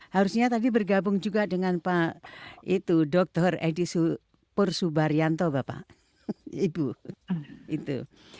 harusnya tadi bergabung juga dengan pak itu dr edi pursubaranto bapak ibu itu